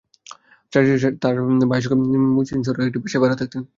ছাত্রীটি তাঁর ভাইয়ের সঙ্গে হাজী মুহসীন সড়কের একটি বাসায় ভাড়া থাকতেন।